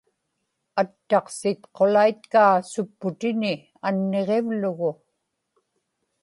attaqsitqulaitkaa supputini anniġivlugu